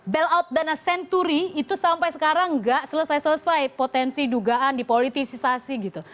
bailout dana senturi itu sampai sekarang nggak selesai selesai potensi dugaan dipolitisasi gitu